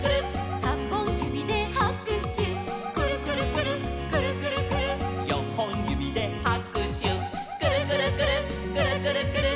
「にほんゆびではくしゅ」「くるくるくるっくるくるくるっ」「さんぼんゆびではくしゅ」「くるくるくるっくるくるくるっ」